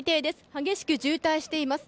激しく渋滞しています。